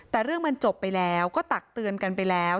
แต่เรื่องมันจบไปแล้วก็ตักเตือนกันไปแล้ว